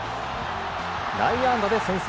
内野安打で先制。